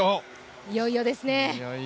いよいよですね。